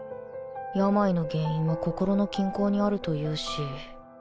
病の原因は心の均衡にあるというし